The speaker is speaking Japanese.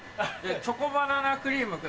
チョコバナナクリームください。